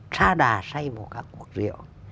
xa đà say một các cuộc rượu